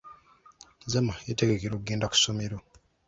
Zama yetegekera okugenda ku ssomero.